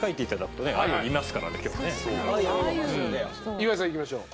岩井さんいきましょう。